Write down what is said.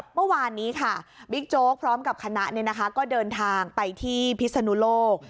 เมื่อวานนี้ค่ะบิ๊กโจ๊กพร้อมกับคณะก็เดินทางไปที่พิศนุโลก